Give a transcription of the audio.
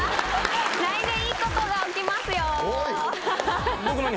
来年いいことが起きますよ。